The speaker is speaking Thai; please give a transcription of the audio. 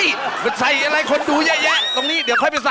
เฮ้ยแต่ใส่อะไรคนดูเยอะตรงนี้เดี๋ยวค่อยไปใส่